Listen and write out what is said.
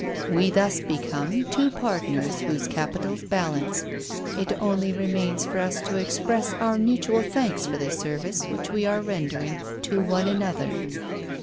We thus become two partners whose capitals balance. It only remains for us to express our mutual thanks for the service which we are rendering to one another."